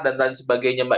dan sebagainya mbak